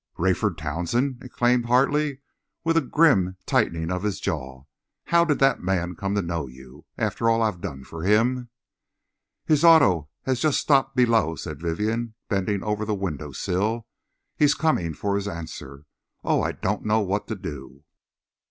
"Rafford Townsend!" exclaimed Hartley, with a grim tightening of his jaw. "How did that man come to know you? After all I've done for him—" "His auto has just stopped below," said Vivienne, bending over the window sill. "He's coming for his answer. Oh I don't know what to do!"